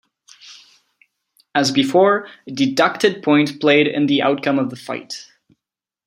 As before, a deducted point played in the outcome of the fight.